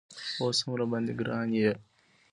اوس هم راباندې ګران یې